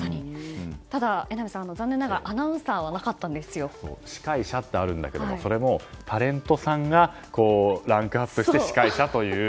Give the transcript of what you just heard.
ただ、榎並さん残念ながら司会者ってあるんですがそれも、タレントさんがランクアップして司会者という。